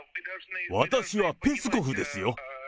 私はペスコフですよ。